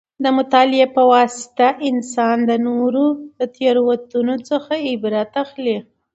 د مطالعې په واسطه انسان د نورو د تېروتنو څخه عبرت اخلي.